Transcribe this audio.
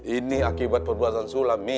ini akibat perbuatan sulam mi